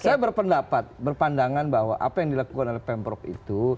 saya berpendapat berpandangan bahwa apa yang dilakukan oleh pemprov itu